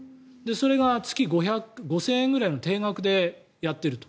それが月５０００円ぐらいの定額でやっていると。